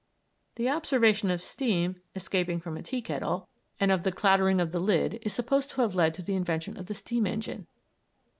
The observation of steam escaping from a tea kettle and of the clattering of the lid is supposed to have led to the invention of the steam engine.